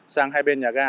sang hai bên nhà ga